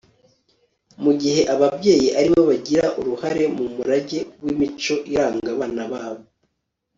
mu gihe ababyeyi ari bo bagira uruhare mu murage w'imico iranga abana babo